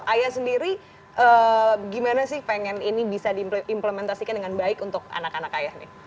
ayah sendiri gimana sih pengen ini bisa diimplementasikan dengan baik untuk anak anak ayah nih